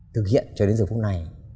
thực hiện cho đến giờ phút này